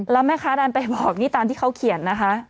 แล้วแม่ค้าดันไปบอกนี่ตามที่เขาเขียนนะคะ